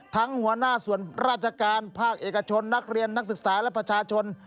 หัวหน้าส่วนราชการภาคเอกชนนักเรียนนักศึกษาและประชาชน